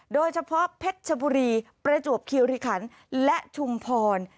โดยเฉพาะเพชรชบุรีประจวบคิวริคันและชุมพร